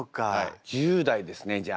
１０代ですねじゃあ。